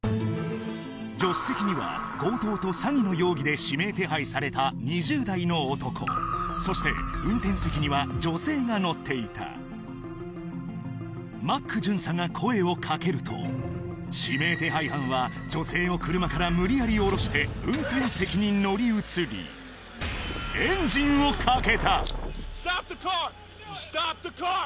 助手席には強盗と詐欺の容疑で指名手配された２０代の男そして運転席には女性が乗っていたマック巡査が声をかけると指名手配犯は女性を車から無理やり降ろして運転席に乗り移りＳｔｏｐｔｈｅｃａｒ！